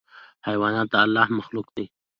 حیوانات د الله مخلوق دي.